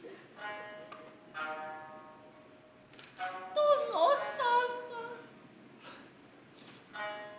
殿様。